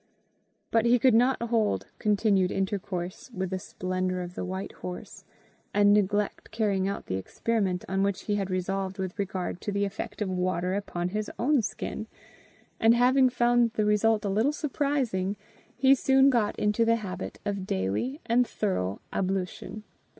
But he could not hold continued intercourse with the splendour of the white horse, and neglect carrying out the experiment on which he had resolved with regard to the effect of water upon his own skin; and having found the result a little surprising, he soon got into the habit of daily and thorough ablution.